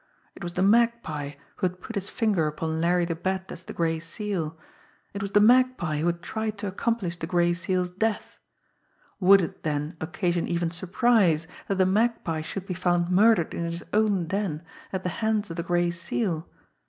It was the Magpie who had put his finger upon Larry the Bat as the Gray Seal; it was the Magpie who had tried to accomplish the Gray Seal's death. Would it, then, occasion even surprise that the Magpie should be found murdered in his own den at the hands of the Gray Seal?